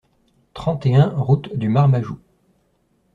trente et un route du Marmajou